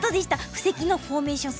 布石のフォーメーション